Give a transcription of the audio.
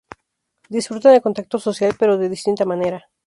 Disfrutan el contacto social, pero de distinta manera.